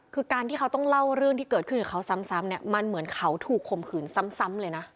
คือการที่เขาต้องเล่าเรื่องที่เกิดขึ้นกับเขาซ้ำเนี่ยมันเหมือนเขาถูกข่มขืนซ้ำเลยนะ